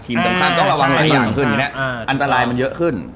ต้องระวังเหลืออย่างขึ้น